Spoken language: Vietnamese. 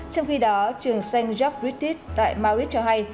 trong khi đó trường saint jacques british tại maurit cho hay